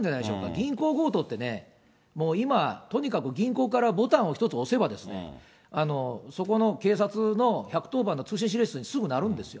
銀行強盗ってね、もう今、とにかく銀行からボタンを１つ押せば、そこの警察の１１０番の通信指令室、すぐ鳴るんですよ。